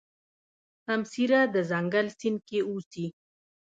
سمسيره د ځنګل سیند کې اوسي.